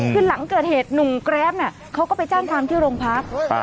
คือหลังเกิดเหตุหนุ่มแกรปเขาก็ไปแจ้งความที่โรงพัก